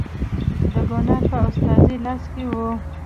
د ګورنر په استازي لاس کې وه.